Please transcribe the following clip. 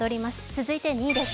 続いては２位です。